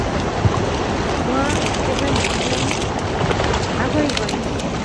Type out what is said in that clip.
Mwaa kevany Kim agoi koit